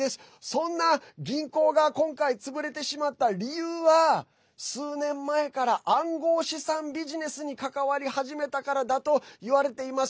そんな銀行が今回潰れてしまった理由は数年前から暗号資産ビジネスに関わり始めたからだといわれています。